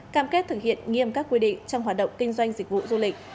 cam kết thực hiện nghiêm các quy định trong hoạt động kinh doanh dịch vụ du lịch